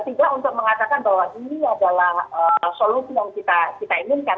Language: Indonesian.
tiga untuk mengatakan bahwa ini adalah solusi yang kita inginkan